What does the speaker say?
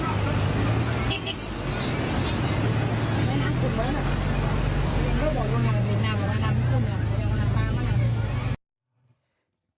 มา